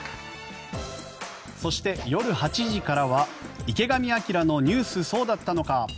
そして、夜８時からは「池上彰のニュースそうだったのか！！」。